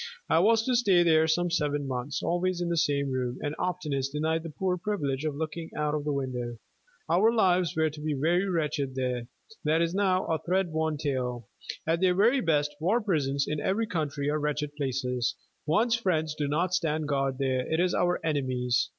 I was to stay there some seven months, always in the same room, and oftenest denied the poor privilege of looking out of the window. Our lives were to be very wretched there. That is now a thread worn tale. At their very best, war prisons in every country are wretched places. One's friends do not stand guard there; it is our enemies.